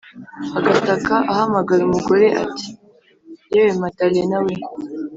agataka ahamagara umugore, ati "yewe madalena we,